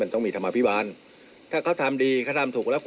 เขาทำความผิดอะไรบ้างหรือเปล่า